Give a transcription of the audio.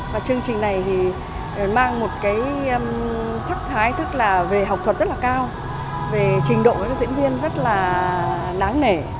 và chương trình này mang một sắc thái về học thuật rất là cao về trình độ của các diễn viên rất là đáng nể